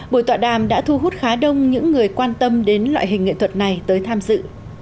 buổi tọa đàm đã thu hút khá đông những người quan tâm đến loại hình nghệ thuật này tới tham dự